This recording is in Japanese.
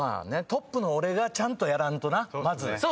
トップの俺がちゃんとやらんとなまず。